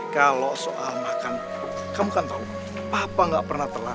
kalau soal makan kamu kan tahu papa gak pernah terlalu